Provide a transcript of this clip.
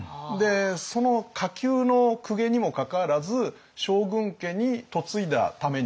その下級の公家にもかかわらず将軍家に嫁いだために娘が。